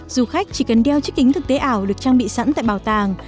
du khách chỉ cần đeo chiếc kính thực tế ảo được trang bị sẵn tại bảo tàng